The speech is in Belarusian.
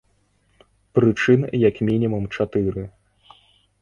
Прычын як мінімум чатыры.